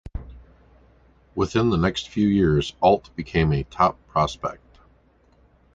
Within the next few years, Ault became a top prospect.